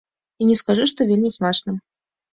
І не скажу, што вельмі смачна.